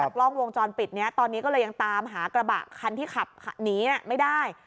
กล้องวงจรปิดนี้ตอนนี้ก็เลยยังตามหากระบะคันที่ขับหนีไม่ได้